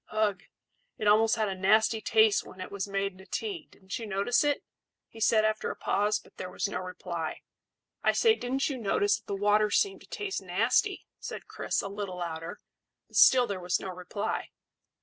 Ugh! It almost had a nasty taste when it was made into tea. Didn't you notice it?" he said, after a pause; but there was no reply. "I say, didn't you notice that the water seemed to taste nasty?" said Chris, a little louder; but still there was no reply.